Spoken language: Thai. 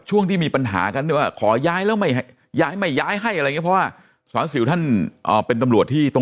สวัสดีครับสวัสดีครับสวัสดีครับสวัสดีครับสวัสดีครับสวัสดีครับ